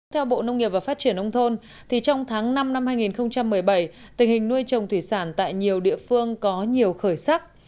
theo bộ nông nghiệp và phát triển nông thôn trong tháng năm năm hai nghìn một mươi bảy tình hình nuôi trồng thủy sản tại nhiều địa phương có nhiều khởi sắc